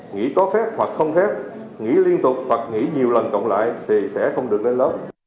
nghỉ có phép hoặc không phép nghỉ liên tục hoặc nghỉ nhiều lần cộng lại thì sẽ không được lên lớp